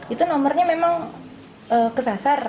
itu nomernya memang kesasar